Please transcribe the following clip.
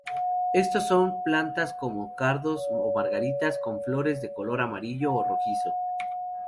Estos son plantas como cardos o margaritas con flores de color amarillo o rojizo.